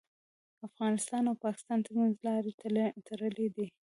د افغانستان او پاکستان ترمنځ لارې تړلي دي.